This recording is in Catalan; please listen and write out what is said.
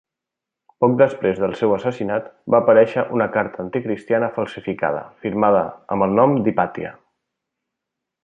Poc després del seu assassinat, va aparèixer una carta anticristiana falsificada firmada amb el nom d'Hypatia.